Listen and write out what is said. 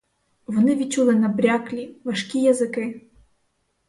Вони відчули набряклі, важкі язики.